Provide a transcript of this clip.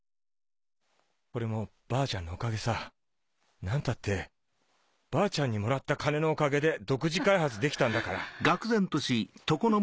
これもばあちゃんのおかげさ何たってばあちゃんに貰った金のおかげで独自開発できたんだから。